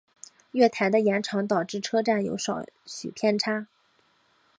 月台的延长导致车站有少许偏差。